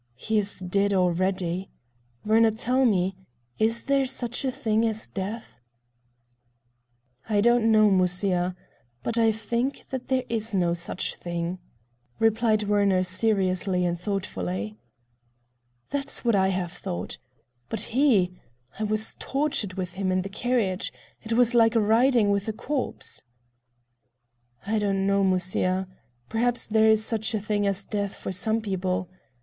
"He is dead already. Werner, tell me, is there such a thing as death?" "I don't know, Musya, but I think that there is no such thing," replied Werner seriously and thoughtfully. "That's what I have thought. But he? I was tortured with him in the carriage—it was like riding with a corpse." "I don't know, Musya. Perhaps there is such a thing as death for some people.